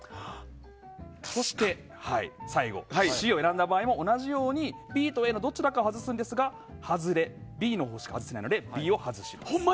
そして最後、Ｃを選んだ場合も同じようにＢとＡのどちらかを外すんですがＢのほうしか外せないのでＢのほうを外します。